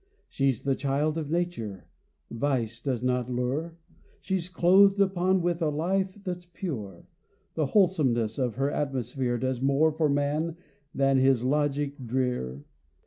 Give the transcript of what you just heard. She's the child of nature; vice does not lure; She's clothed upon with a life that's pure. The wholesomeness of her atmosphere Does more for man than his logic drear.